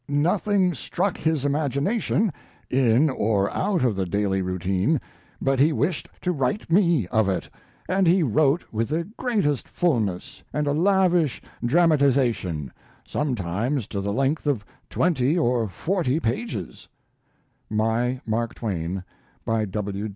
Nothing struck his imagination, in or out of the daily routine, but he wished to write me of it, and he wrote with the greatest fullness and a lavish dramatization, sometimes to the length of twenty or forty pages:" (My Mark Twain, by W.